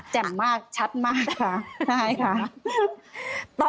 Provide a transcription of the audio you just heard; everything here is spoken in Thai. แจ่มมากชัดมากค่ะ